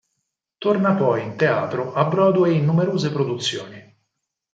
Torna poi in teatro a Broadway in numerose produzioni.